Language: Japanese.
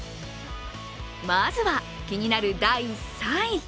まずは気になる第３位。